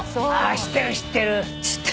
知ってる知ってる。